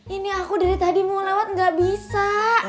ini aku dari tadi mau lewat gak bisa